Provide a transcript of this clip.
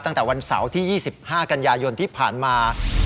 ตั้งแต่วันเสาร์ที่๒๕กันยายนที่ผ่านมา